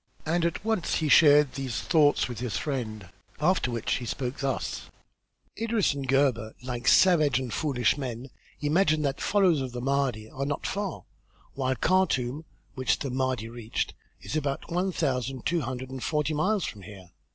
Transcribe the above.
And at once he shared these thoughts with his friend, after which he spoke thus: "Idris and Gebhr, like savage and foolish men, imagine that followers of the Mahdi are not far, while Khartûm, which the Mahdi reached, is about one thousand two hundred and forty miles from here.